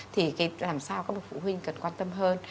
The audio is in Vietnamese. thì làm sao các bậc phụ huynh cần quan tâm hơn